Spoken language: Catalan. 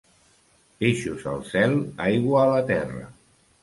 Peixos al cel, aigua a la terra.